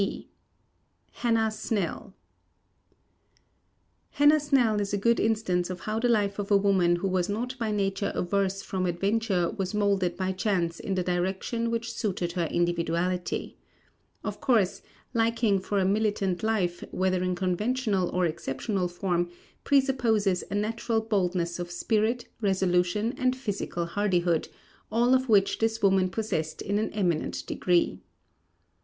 B. HANNAH SNELL Hannah Snell is a good instance of how the life of a woman who was not by nature averse from adventure was moulded by chance in the direction which suited her individuality. Of course, liking for a militant life, whether in conventional or exceptional form, presupposes a natural boldness of spirit, resolution, and physical hardihood all of which this woman possessed in an eminent degree.